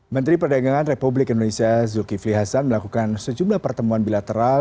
menteri perdagangan republik indonesia zulkifli hasan melakukan sejumlah pertemuan bilateral